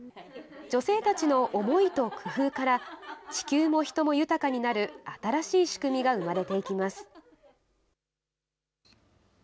女性たちの思いと工夫から、地球も人も豊かになる新しい仕組みが生まれていきます。